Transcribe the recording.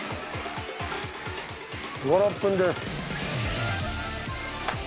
５６分です。